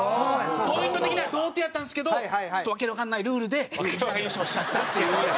ポイント的には同点やったんですけど訳のわかんないルールで粗品が優勝しちゃったっていう。